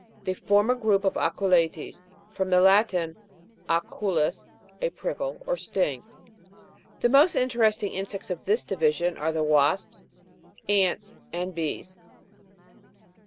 They form a group of ACU'LEATES (from the Latin, aculeus, a prickle or sting). The most interesting insects of this division are the wasps, ants, and bees.